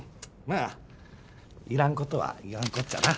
まあいらん事は言わんこっちゃな。